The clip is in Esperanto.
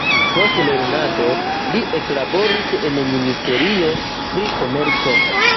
Post lernado li eklaboris en ministerio pri komerco.